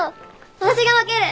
私が分ける！